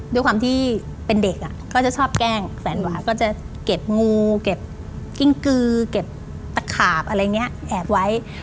ด้วยความที่เป็นเด็กอะ